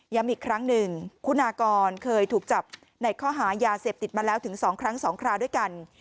อีกครั้งหนึ่งคุณากรเคยถูกจับในข้อหายาเสพติดมาแล้วถึง๒ครั้ง๒คราวด้วยกัน